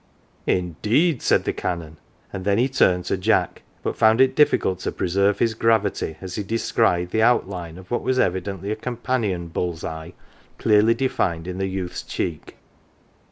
" Indeed !" said the Canon, and then he turned to Jack, but found it difficult to preserve his gravity as he descried the outline of what was evidently a companion bull's eye clearly defined in the youth's cheek.